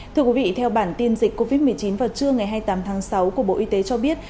thưa quý vị theo bản tin dịch covid một mươi chín vào trưa ngày hai mươi tám tháng sáu của bộ y tế cho biết